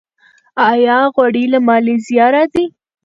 آیا غوړي له مالیزیا راځي؟